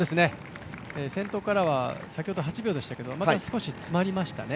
先頭からは先ほど８秒でしたけど、また少し詰まりましたね。